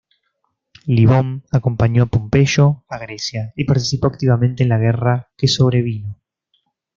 Libón acompañó a Pompeyo a Grecia, y participó activamente en la guerra que sobrevino.